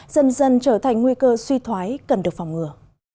dần dần trở thành nguy cơ suy thoái cần được phòng ngừa